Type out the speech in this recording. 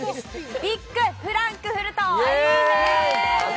ビッグフランクフルト！